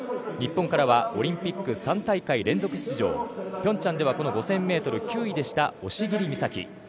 日本からはオリンピック３大会連続出場ピョンチャンでは５０００ｍ９位でした押切美沙紀。